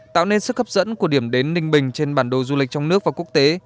tạo nên sức hấp dẫn của điểm đến ninh bình trên bản đồ du lịch trong nước và quốc tế